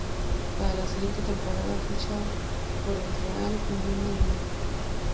Para la siguiente temporada ficha por el Real Unión de Irún.